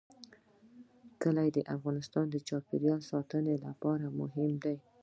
کلي د افغانستان د چاپیریال ساتنې لپاره مهم دي.